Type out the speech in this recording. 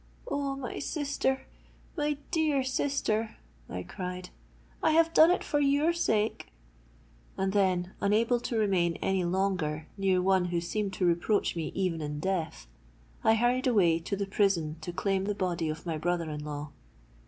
'Oh! my sister—my dear sister!' I cried; 'I have done it for your sake:'—and then, unable to remain any longer near one who seemed to reproach me even in death, I hurried away to the prison to claim the body of my brother in law.